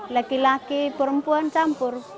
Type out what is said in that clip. laki laki perempuan campur